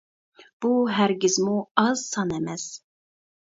بۇ ھەرگىزمۇ ئاز سان ئەمەس.